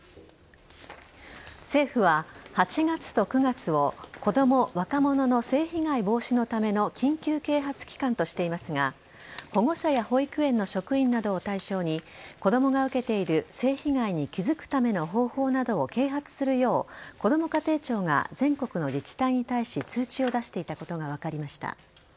政府は８月と９月をこども・若者の性被害防止のための緊急啓発期間としていますが保護者や保育園の職員などを対象に子供が受けている性被害に気付くための方法などを啓発するようこども家庭庁が全国の自治体に対し通知を出していたことが分かりました。